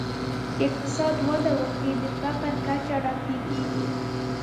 که اقتصاد وده وکړي، د فقر کچه راټیټېږي.